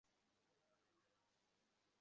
আশা করি শুনেছো।